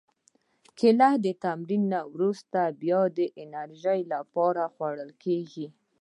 کېله د تمرین نه وروسته د بیا انرژي لپاره خوړل کېږي.